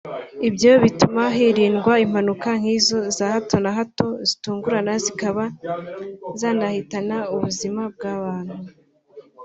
Ibyo bituma hirindwa impanuka nk’izo za hato na hato zitungurana zikaba zanahitana ubuzima bw’abantu